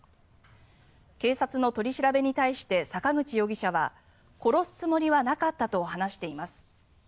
警察の取り調べに対して坂口容疑者は殺すつもりはなかったと話しています。